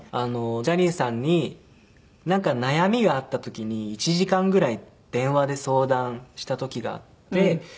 ジャニーさんになんか悩みがあった時に１時間ぐらい電話で相談した時があって。